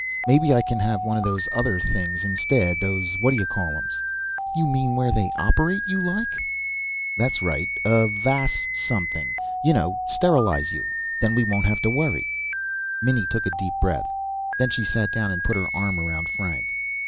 Maybe I can have one of those other things instead, those whaddya call 'ems." "You mean where they operate you, like?" "That's right. A vas something. You know, sterilize you. Then we won't have to worry." Minnie took a deep breath. Then she sat down and put her arm around Frank.